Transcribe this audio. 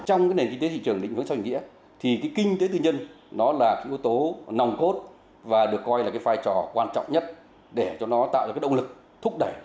trong cái nền kinh tế thị trường định hướng doanh nghiệp thì cái kinh tế thư nhân nó là cái ưu tố nòng khốt và được coi là cái vai trò quan trọng nhất để cho nó tạo ra cái động lực thúc đẩy